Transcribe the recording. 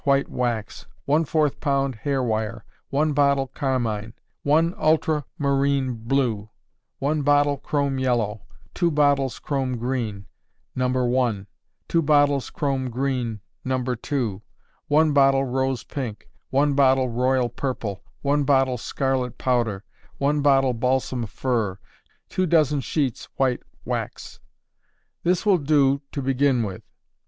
white wax, ¼ lb. hair wire, 1 bottle carmine, 1 ultramarine blue, 1 bottle chrome yellow, 2 bottles chrome green, No. 1; 2 bottles chrome green, No. 2; 1 bottle rose pink, 1 bottle royal purple, 1 bottle scarlet powder, 1 bottle balsam fir, 2 dozen sheets white wax. This will do to begin with.